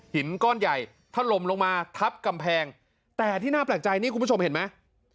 หินก้อนใหญ่ถล่มลงมาทับกำแพงแต่ที่น่าแปลกใจนี่คุณผู้ชมเห็นไหม